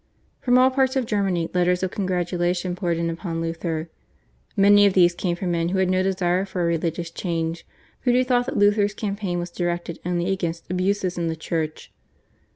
From all parts of Germany letters of congratulation poured in upon Luther. Many of these came from men who had no desire for a religious change, but who thought that Luther's campaign was directed only against abuses in the Church.